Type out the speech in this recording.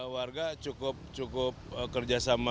warga cukup kerjasama